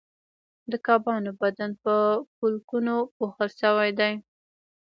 د کبانو بدن په پولکونو پوښل شوی دی